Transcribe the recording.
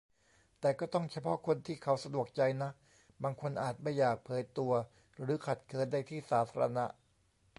แต่ก็ต้องเฉพาะคนที่เขาสะดวกใจนะ บางคนอาจไม่อยากเผยตัว หรือขัดเขินในที่สาธารณะ